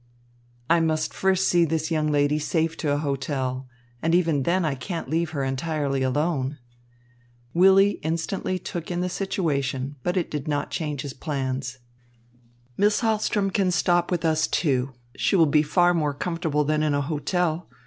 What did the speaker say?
"I must first see this young lady safe to a hotel. And even then I can't leave her entirely alone." Willy instantly took in the situation, but it did not change his plans. "Miss Hahlström can stop with us, too. She will be far more comfortable than in a hotel.